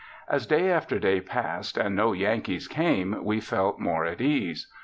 As day after day passed and no Yankees came we felt more at ease.